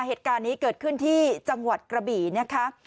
เหตุการณ์นี้เกิดขึ้นที่จังหวัดกระบี่นะคะ